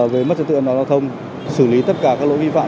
gây mất trật tự an toàn giao thông xử lý tất cả các lỗi vi phạm